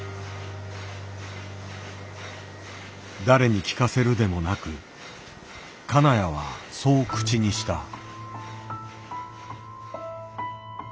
誰に聞かせるでもなく金谷はそう口にした。